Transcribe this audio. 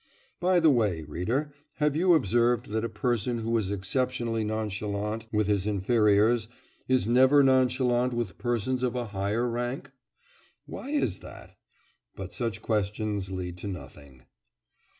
By the way, reader, have you observed that a person who is exceptionally nonchalant with his inferiors, is never nonchalant with persons of a higher rank? Why is that? But such questions lead to nothing.